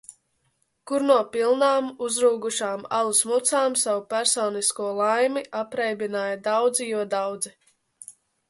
Kur no pilnām uzrūgušām alus mucām savu personisko laimi apreibināja daudzi jo daudzi.